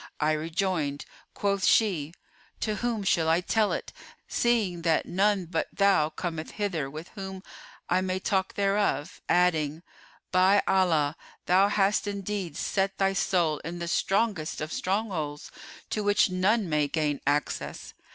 "I rejoined," quoth she, "'To whom should I tell it, seeing that none but thou cometh hither with whom I may talk thereof?' adding, 'By Allah, thou hast indeed set thy soul in the strongest of strongholds to which none may gain access!